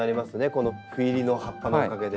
この斑入りの葉っぱのおかげで。